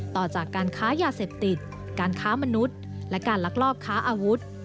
ต่อจากการค้ายาเสพติดการค้ามนุษย์และการลักลอบค้าอาวุธ